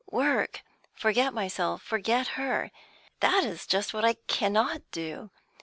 Work, forget myself, forget her, that is just what I cannot do!